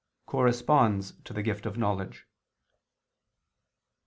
Corresponds to the Gift of Knowledge?